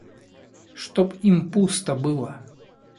Чтоб им пусто было!